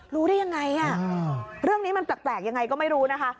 รู้ได้ยังไงเรื่องนี้มันแปลกยังไงก็ไม่รู้นะคะ